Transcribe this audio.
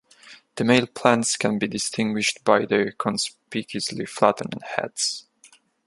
The male plants can be distinguished by their conspicuously flattened heads.